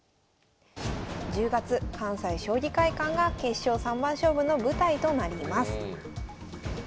１０月関西将棋会館が決勝三番勝負の舞台となります。